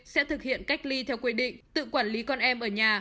sẽ thực hiện cách ly theo quy định tự quản lý con em ở nhà